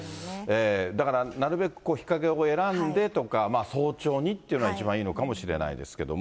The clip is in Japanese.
だから、なるべくこう、日陰を選んでとか、早朝にっていうのが一番いいのかもしれないですけど。